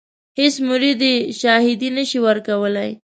هیڅ مرید یې شاهدي نه شي ورکولای.